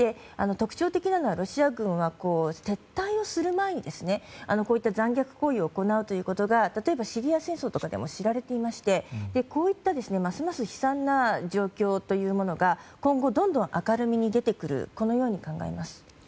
特徴的なのはロシア軍は撤退をする前にこういった残虐行為をするということが例えばシリア戦争とかでも知られていましてこういった悲惨な状況というものが今後、どんどん明るみに出てくるこのように考えます。